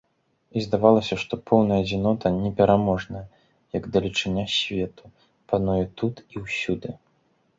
І здавалася, што поўная адзінота, непераможная, як далечыня свету, пануе тут і ўсюды.